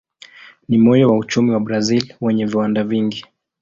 Ni moyo wa uchumi wa Brazil wenye viwanda vingi.